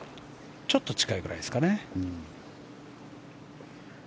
ちょっと近いぐらいですかね。